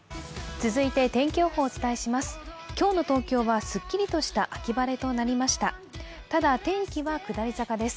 続いて天気予報をお伝えします。